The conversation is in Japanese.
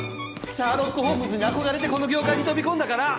シャーロック・ホームズに憧れてこの業界に飛び込んだから！